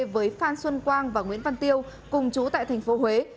với phan xuân quang và nguyễn văn tiêu cùng chú tại thành phố huế